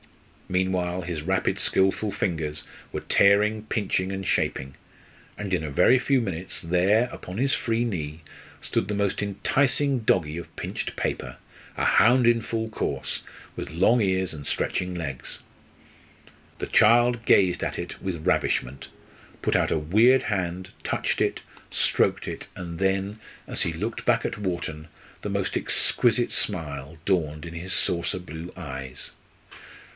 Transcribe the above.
Meanwhile his rapid skilful fingers were tearing, pinching, and shaping; and in a very few minutes there, upon his free knee, stood the most enticing doggie of pinched paper, a hound in full course, with long ears and stretching legs. The child gazed at it with ravishment, put out a weird hand, touched it, stroked it, and then, as he looked back at Wharton, the most exquisite smile dawned in his saucer blue eyes.